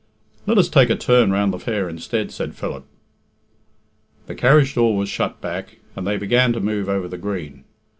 "Let us take a turn round the fair instead," said Philip. The carriage door was shut back, and they began to move over the green.